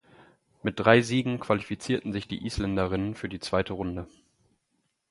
Mit drei Siegen qualifizierten sich die Isländerinnen für die zweite Runde.